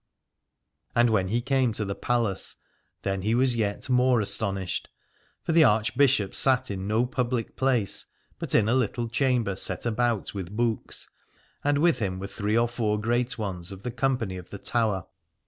And when he came to the palace then he was yet more astonished : for the Archbishop sat in no public place but in a little chamber set about with books, and with him were three or four great ones of the company of the Tower.